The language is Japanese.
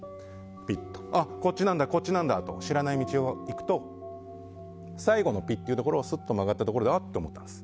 こっちなんだ、こっちなんだと知らない道を行くと最後のピッていうところをすっと曲がったところであっ！と思ったんです。